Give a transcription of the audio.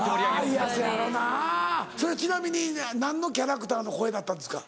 せやろなそれちなみに何のキャラクターの声だったんですか？